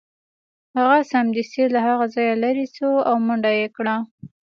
هغه سمدستي له هغه ځایه لیرې شو او منډه یې کړه